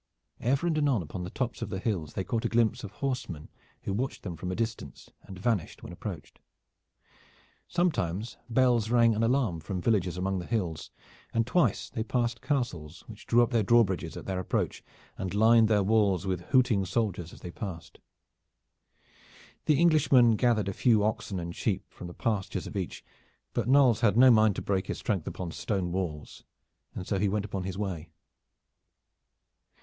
Ever and anon upon the tops of the hills they caught a glimpse of horsemen who watched them from a distance and vanished when approached. Sometimes bells rang an alarm from villages amongst the hills, and twice they passed castles which drew up their drawbridges at their approach and lined their walls with hooting soldiers as they passed. The Englishmen gathered a few oxen and sheep from the pastures of each, but Knolles had no mind to break his strength upon stone walls, and so he went upon his way.